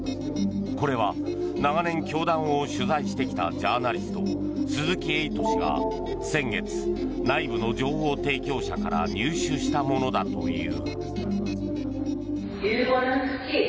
これは長年、教団を取材してきたジャーナリスト、鈴木エイト氏が先月、内部の情報提供者から入手したものだという。